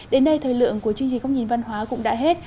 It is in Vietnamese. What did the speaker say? đến đây thời lượng của chương trình góc nhìn văn hóa cũng đã hết